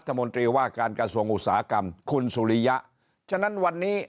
มนตรีว่าการกระทรวงอุตสาหกรรมคุณสุริยะฉะนั้นวันนี้